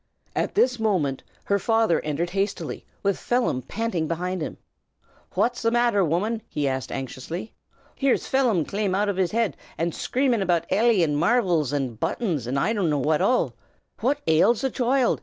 At this moment her father entered hastily, with Phelim panting behind him. "Phwhat's the matther, woman?" he asked anxiously. "Here's Phelim clane out o' his head, an' shcramin' about Eily, an' marvels an' buttons, an' I dunno what all. Phwhat ails the choild?"